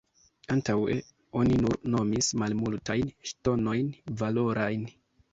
Antaŭe oni nur nomis malmultajn ŝtonojn valorajn.